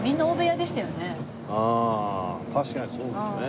あ確かにそうですね。